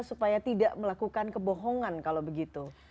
supaya tidak melakukan kebohongan kalau begitu